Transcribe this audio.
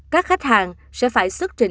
các khách hàng sẽ phải xuất trọng dịch bệnh